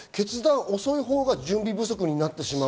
遅いほうが準備不足になってしまう。